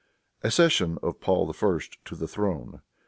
Accession of Paul I. to the Throne.